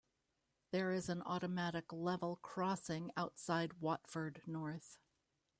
There is an automatic level crossing outside Watford North.